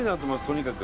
とにかく。